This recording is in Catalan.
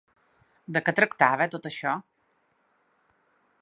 De què tractava tot això?